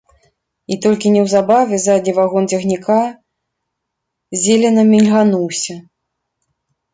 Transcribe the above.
І толькі неўзабаве задні вагон цягніка зелена мільгануўся.